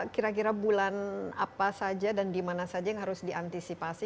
kira kira bulan apa saja dan dimana saja yang harus diantisipasi